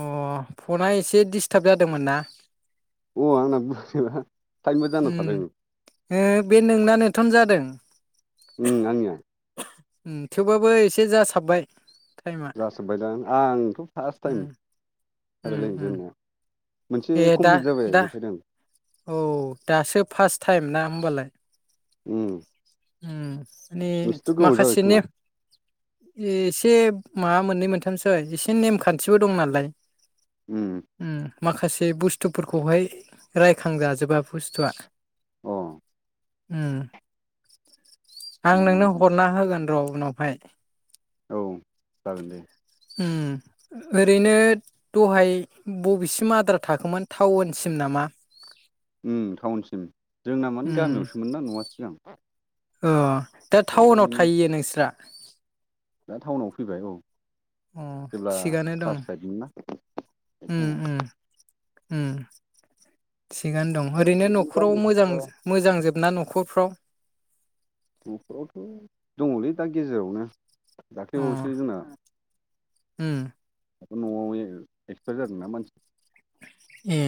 अ फना एसे डिस्टार्ब जादोंमोन ना? औ आंना बोरैबा टाइमबो जाना उम थादों बे नोंना नेथ'न जादों। उम आंनिया उम थेवबाबो एसे जासाबबाय। टाइमा जाजोब्बाय दां आंथ' फार्स्ट टाइम उम [unintelligible] उम रायलाय उम जेननाया मोनसे ए दा कमप्लिट जाबाय दा देखायदों। औ दासो फार्स्ट टाइम ना होमबालाय। उम उम माने नोंसोरथ' गोबाव जाबाय माखासेनि खोमा एसे मा मोननै मोनथामसै एसे नेमखान्थियाव दं नालाय। उम माखासे बुस्थुफोरखौहाय रायखांजाजोबा बुस्थुआ। अ उम आं उम नोंनो हरना होगोन र' उनावहाय। औ जागोन दे। ओरैनो दहाय बबेसिम आद्रा थाखोमोन टाउनसिम नामा उम टाउनसिम जोंना माने गामियावसोमोन ना न'वा सिगां। ओ दा ओमफ्राय टाउनाव बिदिनो थायैयो नोंसोरा दा टाउनाव फैबाय औ। अ जेब्ला थिगानो दं क्लास फाइभमोन ना बे उम टाइमाव उम उम थिगानो दं। ओरैनो बिदिनो न'खराव गामियाव मोजां थाबा मोजांजोबना न'खरफ्राव। न'खरावथ' दङलै दा गेजेरावनो। अ दाख्लिबावैसो जोंना उम न'आव एक्सपार जादोंना मानसि ए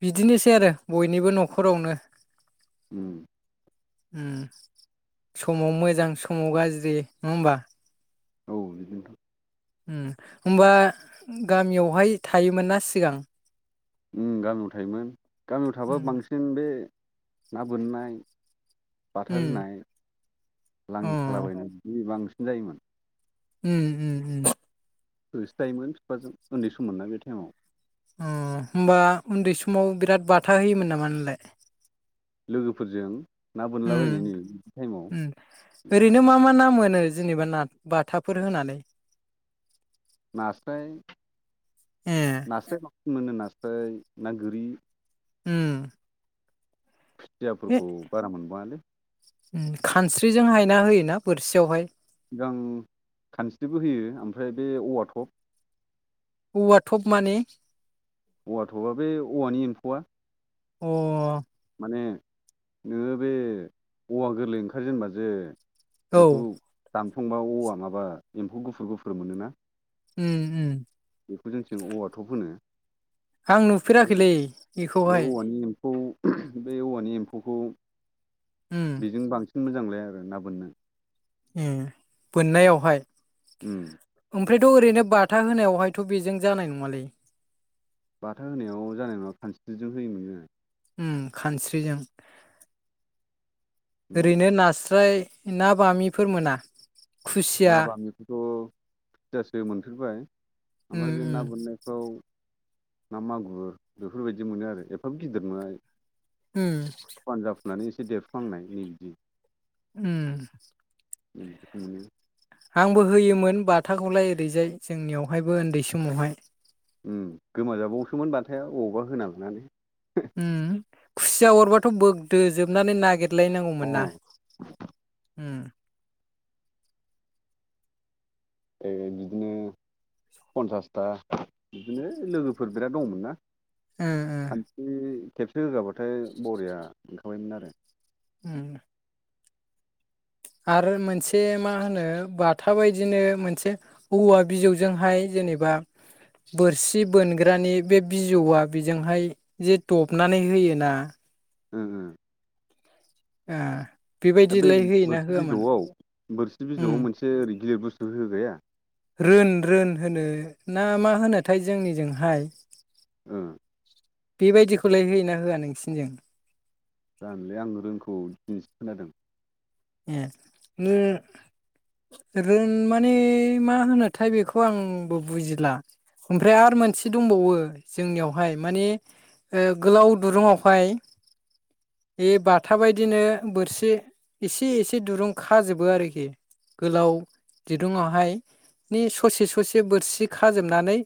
बिदिनोसै आरो बयनिबो न'खरावनो। उम उम समाव मोजां समाव गाज्रि नङा होमबा। औ बिदिनोथ' उम होमबा गामियावहाय थायोमोन ना सिगां। उम गामियाव थायोमोन गामियाव थाबा उम बांसिन बे ना बोननाय बाथा उम होनाय अ लाङि सालाबायनाय बि बांसिन जायोमोन। उम उम उम होसोजायोमोन फिफाजों उन्दै सममोनना बे टाइमाव। उम होमबा उन्दै समाव बिराद बाथा होयोमोन नामा नोंलाय लोगोफोरजों ना उम बोनलाबायनाय नै बे टाइमाव उम ओरैनो मा मा ना मोनो? जेनेबा ना बाथाफोर होनानै। नास्राय ए नास्राय मोनो नास्राय ना गोरि उम [unintelligible] ए खुसियाफोरखौ बारा मोनबाङालै। खानस्रिजों हायना होयोना बोरसियावहाय। सिगां खानस्रिबो होयो ओमफ्राय बे औवा थप औवा थब माने? औवाथ'बा बे औवानि एम्फौआ। अ माने नोङो बे औवा गोरलै ओंखारजेनबा जे औ बेखौ दानफंबा औवा माबा एम्फौ गुफुर गुफुर मोनोना उम उम। बेखौ जोंथिं औवा थब होनो। आं नुफेराखैलै बेखौहाय। खौ बे औवानि एम्फौखौ उम बेजों बांसिन मोजांलाया आरो ना बोननो ए बोन्नायावहाय। उम। ओमफ्रायथ' ओरैनो बाथा होनायावहायथ' बेजों जानाय नङालै। बाथा होनायाव जानाय नङा खानस्रिजों होयोमोन जोङो। उम खानस्रिजों उम ओरैनो नास्राय ना बामिफोर मोना? खुसिया ना बामिखौथ' फुजासो मोनफेरबाय उम ओमफाय बे उम ना बोन्नायफ्राव ना मागुर बेफोरबायदि मोनो आरो एफाब गिदिर मोना। उम। मानो एसे देरफुहांनाय नै बिदि। उम। नै बिदिखौ मोनो। आंबो होयोमोन बाथाखौलाय ओरैजाय जोंनियावहायबो ओन्दै समावहाय। उम गोमाजाबावोसोमोन बाथाया अबावबा होना लानानै। उम खुसिया अरबाथ' बोग्दो जोबनानै अ नागेदलायनांगौमोन ना? उम। ओ बिदिनो पन्सासथा बिदिनो ओ लोगोफोर बिराद दङ'मोन ना। ओ ओ खानसि खेबसे होगाबाथाय बरिया मोनखाबायमोन आरो। उम। आरो मोनसे मा होनो बाथा बायदिनो मोनसे औवा बिजौजोंहाय ज जेनेबा बोरसि बोनग्रानि बे बिजौआ बिजोंहाय जे दबनानै होयोना। उम उम। ए। दा बै बोरसि बिजौआव बोरसि उम बिजौआव मोनसे ओरै गिलिर बुस्थु होगाया। रोन रोन होनो ना मा होनोथाय जोंनिजोंहाय। ओ। बेबायदिखौलाय होयोना होआ नोंसिनि जों। जानोलै आं रोंखौ दिनैसो खोनादों। ए उम। रोन माने मा होनोथाय बेखौ आंबो बुजिदला। ओमफ्राय आरो मोनसे दंबावो जोंनियावहाय माने ओ गोलाव दुरुङावहाय बे बाथा बायदिनो बोरसि एसे एसे दुरुं खाजोबो आरोखि। गोलाव दिरुुंआवहाय नि ससे ससे बोरसि खाजोबनानै